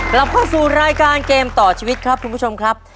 กลับเข้าสู่รายการเกมต่อชีวิตครับคุณผู้ชมครับ